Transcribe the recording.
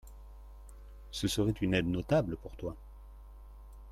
Ce serait une aide notable pour toi.